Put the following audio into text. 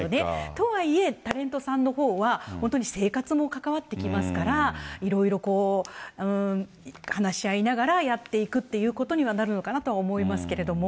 とはいえ、タレントさんのほうは、本当に生活も関わってきますから、いろいろ話し合いながらやっていくっていうことにはなるのかなと思いますけれども。